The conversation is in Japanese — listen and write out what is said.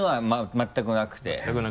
全くなくて。